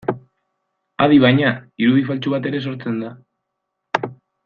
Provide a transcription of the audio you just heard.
Adi baina, irudi faltsu bat ere sortzen da.